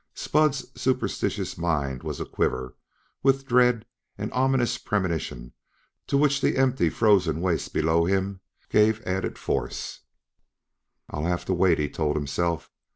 Spud's superstitious mind was a quiver with dread and an ominous premonition to which the empty, frozen wastes below him gave added force. "I'll have to wait," he told himself.